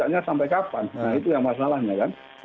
nah itu yang masalahnya kan